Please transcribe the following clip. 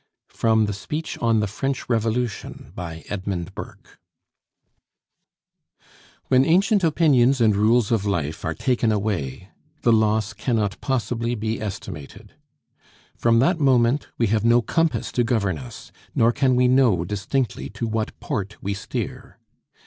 FROM THE SPEECH ON 'THE FRENCH REVOLUTION' When ancient opinions and rules of life are taken away, the loss cannot possibly be estimated. From that moment we have no compass to govern us; nor can we know distinctly to what port we steer.